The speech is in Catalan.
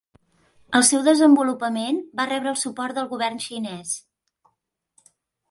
El seu desenvolupament va rebre el suport del Govern xinès.